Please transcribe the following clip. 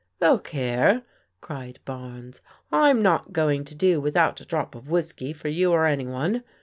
"Look here," cried Barnes, "I'm not going to do without a drop of whiskey for you or any one.